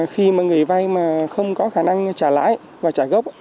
khi mà người vay mà không có khả năng trả lãi và trả gốc